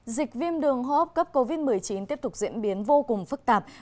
dịch viêm đường hóa hốc cấp covid một mươi chín tiếp tục diễn biến vô cùng phức tạp